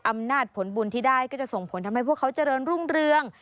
อำนาจผลบุญที่ได้ก็จะส่งผลทำให้พวกเขาเจริญรุ่งเรือง